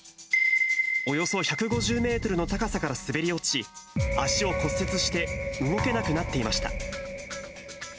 およそ１５０メートルの高さから滑り落ち、足を骨折して動けなくなっていました。